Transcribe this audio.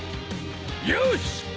よし！